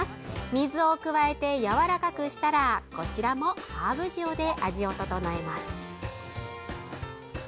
水を加えてやわらかくしたらこちらもハーブ塩で味を調えます。